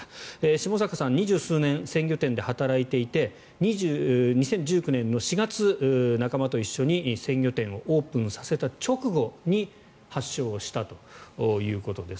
下坂さんは２０数年鮮魚店で働いていて２０１９年の４月、仲間と一緒に鮮魚店をオープンさせた直後に発症したということです。